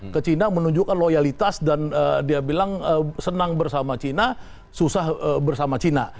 ke china menunjukkan loyalitas dan dia bilang senang bersama china susah bersama china